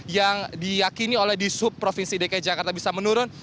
yang diyakini oleh di sub provinsi dki jakarta bisa menurun